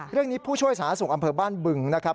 เรื่องนี้ผู้ช่วยศาสตร์ส่งอำเภอบ้านบึงนะครับ